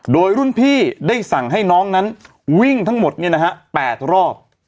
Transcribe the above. โดยรุ่นพี่ได้สั่งให้น้องนั้นวิ่งทั้งหมด๘รอบ